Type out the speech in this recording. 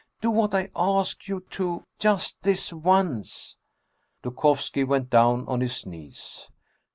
Do what I ask you to, just this once !" Dukovski went down on his knees.